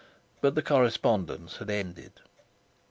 But the correspondence had ended.